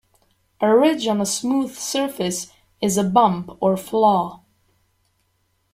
A ridge on a smooth surface is a bump or flaw.